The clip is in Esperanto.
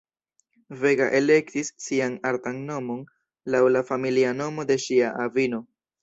Vega elektis sian artan nomon laŭ la familia nomo de ŝia avino.